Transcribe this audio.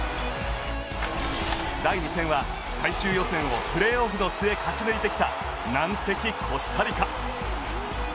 第２戦は最終予選をプレーオフの末勝ち抜いてきた難敵コスタリカ。